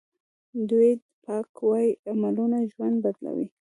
ډویډ باک وایي عملونه ژوند بدلوي.